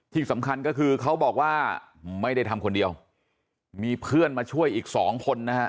ที่สำคัญก็คือเขาบอกว่าไม่ได้ทำคนเดียวมีเพื่อนมาช่วยอีกสองคนนะฮะ